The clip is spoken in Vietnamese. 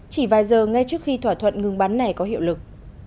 chỉ vài giờ ngay trước khi thỏa thuận ngừng bắn này có hiệu lực